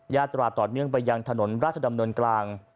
ยาตราต่อเนื่องไปยังถนนราชดำเนินกลาง